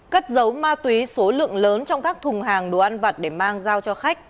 cất dấu ma túy số lượng lớn trong các thùng hàng đồ ăn vặt để mang giao cho khách